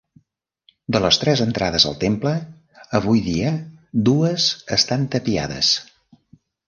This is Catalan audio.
De les tres entrades al temple avui dia dues estan tapiades.